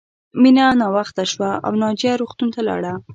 مینه ناوخته شوه او ناجیه روغتون ته لاړه